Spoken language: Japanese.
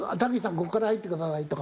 ここから入ってください」とか